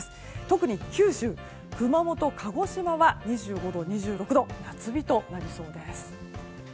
特に九州の熊本や鹿児島は２５度、２６度と夏日となりそうです。